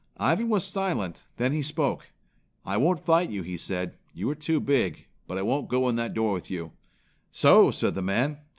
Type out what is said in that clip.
Ivan was silent, then he spoke. "I won't fight," he said. "You are too big, but I won't go in that door with you." "So!" said the man.